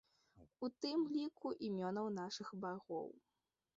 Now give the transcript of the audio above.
У тым ліку імёнаў нашых багоў.